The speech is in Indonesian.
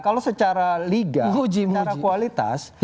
kalau secara liga uji secara kualitas